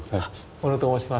小野と申します。